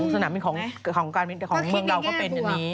สนามบินของการเป็นเราซึ่งก็เป็นอย่างนี้